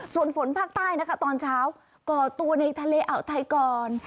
ส่วนฝนภาคใต้นะคะตอนเช้าก่อตัวในทะเลอ่าวไทยก่อน